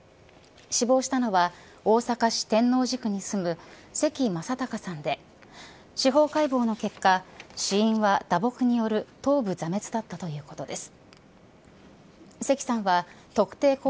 死亡したのは大阪市天王寺区に住む関将孝さんで司法解剖の結果死因は打撲による頭部挫滅だったということです。